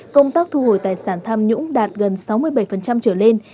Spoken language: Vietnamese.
công tác thu hồi tài sản tham nhũng đạt gần sáu mươi bảy trở lên